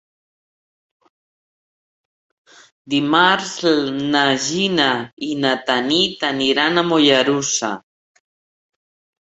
Dimarts na Gina i na Tanit aniran a Mollerussa.